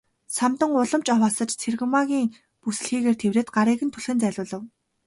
Самдан улам ч ов асаж Цэрэгмаагийн бүсэлхийгээр тэврэхэд гарыг нь түлхэн зайлуулав.